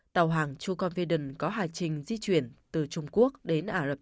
tàu hàng true confidence có hành trình di chuyển từ trung quốc đến ả rập xê út